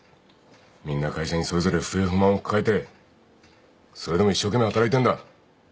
みんな会社にそれぞれ不平不満を抱えてそれでも一生懸命働いてんだ。